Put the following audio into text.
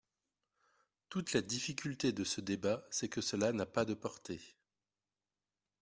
Toute la difficulté de ce débat, c’est que cela n’a pas de portée.